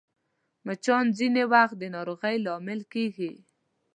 مچان ځینې وخت د ناروغۍ لامل کېږي